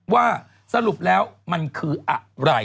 ว่าสรุปแล้วมันคืออะไร